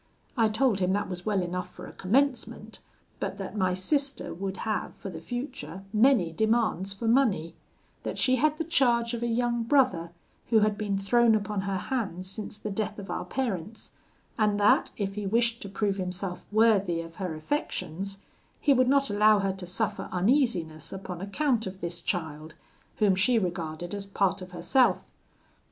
I told him that was well enough for a commencement, but that my sister would have, for the future, many demands for money; that she had the charge of a young brother, who had been thrown upon her hands since the death of our parents; and that, if he wished to prove himself worthy of her affections, he would not allow her to suffer uneasiness upon account of this child, whom she regarded as part of herself.